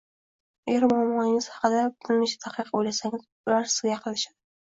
Agar muammolar haqida birnecha daqiqa oʻylasangiz, ular sizga yaqinlashadi